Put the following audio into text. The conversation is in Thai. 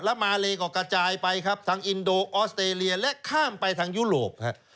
แล้วมาเลก็กระจายไปครับทางอินโดออสเตรเลียและข้ามไปทางยุโรปครับ